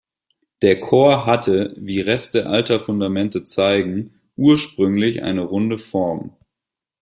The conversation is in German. Der Chor hatte, wie Reste alter Fundamente zeigen, ursprünglich eine runde Form.